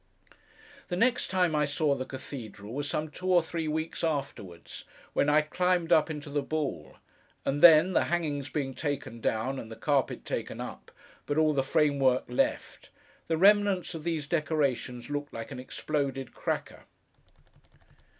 The next time I saw the cathedral, was some two or three weeks afterwards, when I climbed up into the ball; and then, the hangings being taken down, and the carpet taken up, but all the framework left, the remnants of these decorations looked like an exploded cracker.